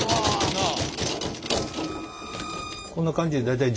なあ。